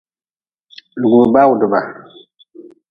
Lugʼbibawdba.